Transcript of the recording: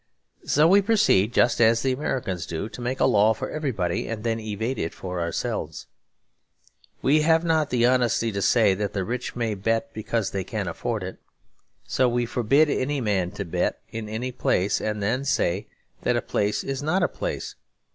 So we proceed, just as the Americans do, to make a law for everybody and then evade it for ourselves. We have not the honesty to say that the rich may bet because they can afford it; so we forbid any man to bet in any place; and then say that a place is not a place.